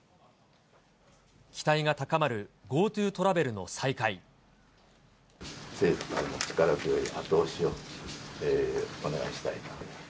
期待が高まるＧｏＴｏトラ政府からの力添え、後押しをお願いしたいと。